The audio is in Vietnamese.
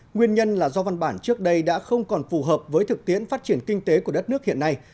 nguyên nhân là do văn bản trước đây đã không còn phù hợp với thực tiễn phát triển kinh tế của đất nước hiện nay